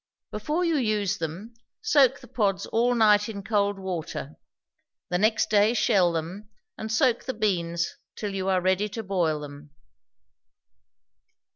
Before you use them, soak the pods all night in cold water, the next day shell them, and soak the beans till you are ready to boil them.